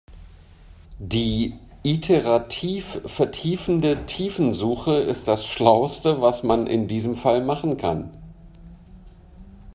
Die iterativ vertiefende Tiefensuche ist das schlauste, was man in diesem Fall machen kann.